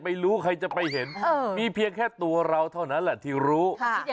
ไม่รู้ใครจะไปเห็นมีเพียงแค่ตัวเราเท่านั้นแหละที่รู้